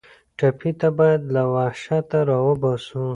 ټپي ته باید له وحشته راوباسو.